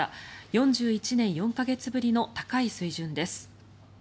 ４１年４か月ぶりの高い水準です。